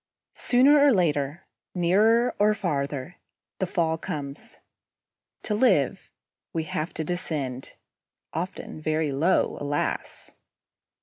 Sooner or later, nearer or farther, the fall comes. To live, we have to descend, often very low, alas!